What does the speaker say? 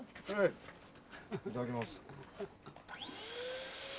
いただきます。